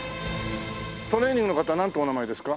トレーニングの方なんてお名前ですか？